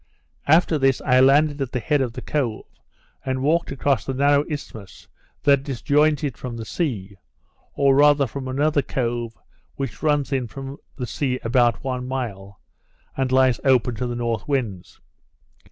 After this I landed at the head of the cove, and walked across the narrow isthmus that disjoins it from the sea, or rather from another cove which runs in from the sea about one mile, and lies open to the north winds.